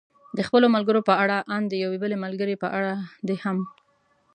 د خپلو ملګرو په اړه، ان د یوې بلې ملګرې په اړه دې هم.